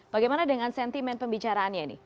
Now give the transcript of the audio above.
bagaimana dengan sentimen pembicaraannya ini